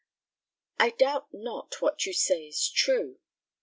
"I doubt not that what you say is true.